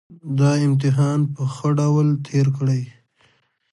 دا امتحان په ښه ډول تېر کړئ